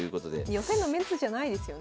予選のメンツじゃないですよね。